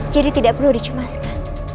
jadi tidak perlu dicemaskan